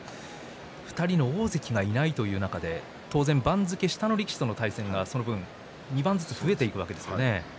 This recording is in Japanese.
２人の大関がいないという中でちょうど番付下の力士との対戦がその分増えていくんですよね。